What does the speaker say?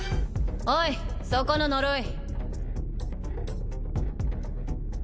おいそこの呪い。